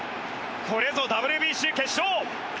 これぞＷＢＣ決勝。